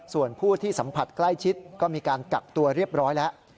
ส่วนผู้ที่สัมผัสใกล้ชิดก็มีการกักตัวเรียบร้อยแล้ว